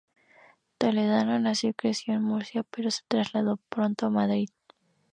Toledano nació y creció en Murcia pero se trasladó pronto a Madrid.